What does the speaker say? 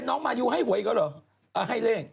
นี่น้องมายูให้เหวยกันหรือ